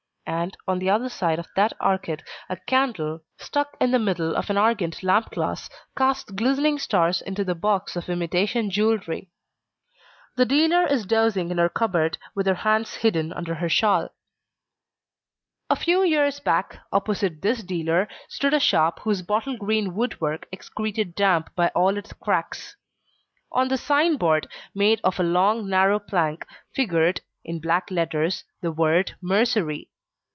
And, on the other side of the arcade a candle, stuck in the middle of an argand lamp glass, casts glistening stars into the box of imitation jewelry. The dealer is dozing in her cupboard, with her hands hidden under her shawl. A few years back, opposite this dealer, stood a shop whose bottle green woodwork excreted damp by all its cracks. On the signboard, made of a long narrow plank, figured, in black letters the word: MERCERY.